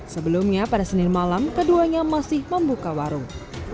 sebelumnya pada senin malam keduanya masih membuka warung